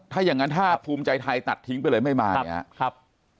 ถ้าอย่างนั้นถ้าภูมิใจไทยตัดทิ้งไปเลยไม่มาเนี่ยครับ